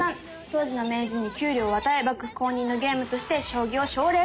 当時の名人に給料を与え幕府公認のゲームとして将棋を奨励したそうです。